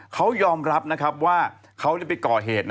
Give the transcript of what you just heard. เขายอมรับว่าเขาได้ไปก่อเหตุ